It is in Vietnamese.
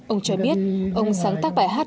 ông cho biết ông sáng tác bài hát